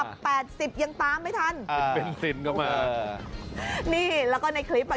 แปดสิบยังตามไม่ทันติดเบนซินเข้ามานี่แล้วก็ในคลิปอ่ะ